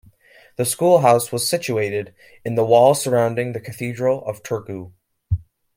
The schoolhouse was situated in the wall surrounding the Cathedral of Turku.